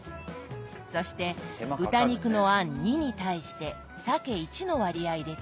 そして豚肉の餡２に対してサケ１の割合で包みます。